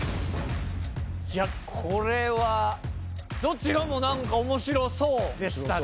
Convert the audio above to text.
いやこれはどちらも何か面白そうでしたね。